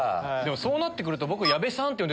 そうなってくると。